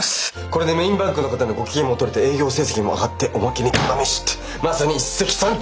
これでメインバンクの方のご機嫌もとれて営業成績も上がっておまけにただ飯ってまさに一石三鳥です！